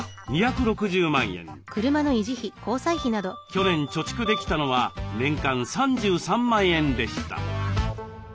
去年貯蓄できたのは年間３３万円でした。